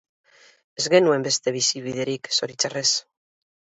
Ez genuen beste bizibiderik, zoritxarrez.